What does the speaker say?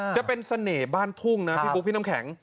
จะเป็นสน่ะน้วงด้านทุ่งนะครับพี่ปุ๊กพี่น้ำแข็งอ่า